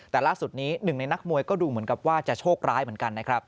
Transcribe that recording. แต่ล่าสุดนี้หนึ่งในนักมวยก็ดูเหมือนกับว่าจะโชคร้ายเหมือนกันนะครับ